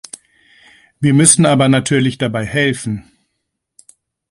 Wir müssen aber natürlich dabei helfen.